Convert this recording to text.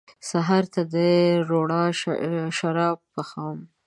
سهار ته د روڼا شراب پخوم